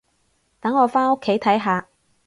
等我返屋企睇下